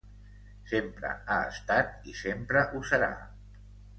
Sempre ha estat i sempre ho serà.